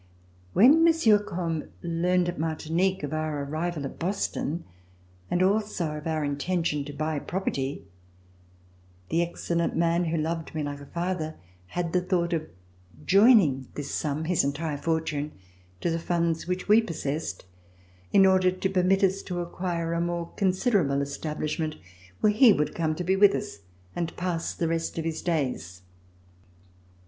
When Monsieur Combes learned at Martinique of our arrival at Boston, and also of our intention to buy property, the excellent man, who loved me like a father, had the thought of joining this sum, his entire fortune, to the funds which we possessed, in order to permit us to acquire a more considerable establishment, where he would come to be with us and pass the rest of his days.